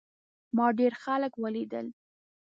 ما ډېر خلک ولیدل.